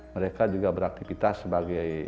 mereka juga beraktivitas sebagai